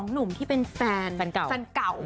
หนุ่มที่เป็นแฟนเก่าแฟนเก่า